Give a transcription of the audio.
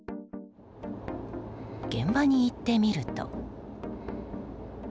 現場に行ってみると。